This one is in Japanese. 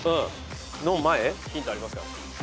ヒントありますから。